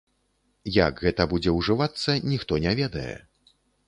Як гэта будзе ўжывацца, ніхто не ведае.